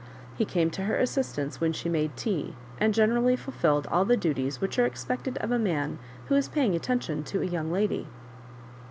He came to her assistance when she made tea, and generally fulfilled all the du ties which are expected of a man who is paying attention to a young lady.